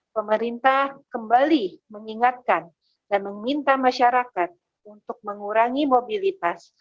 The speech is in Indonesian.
pemerintah kembali mengingatkan dan meminta masyarakat untuk mengurangi mobilitas